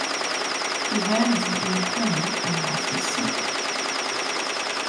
He ran as an independent and lost his seat.